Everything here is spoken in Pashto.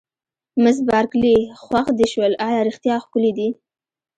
مس بارکلي: خوښ دې شول، ایا رښتیا ښکلي دي؟